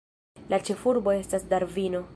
La ĉefurbo estas Darvino.